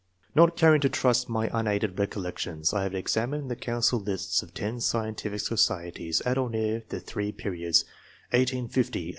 Not caring to trust my unaided recollections, I have exaanined the council lists of ten scientific societies at or near the three periods, 1850, 1860, 1870.